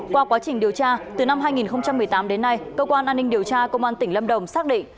qua quá trình điều tra từ năm hai nghìn một mươi tám đến nay cơ quan an ninh điều tra công an tỉnh lâm đồng xác định